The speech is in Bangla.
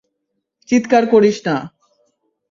চিৎকার করিস না।